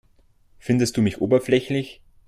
Findest du mich oberflächlich?